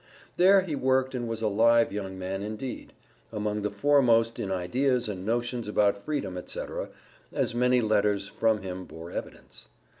There he worked and was a live young man indeed among the foremost in ideas and notions about freedom, etc., as many letters from him bore evidence.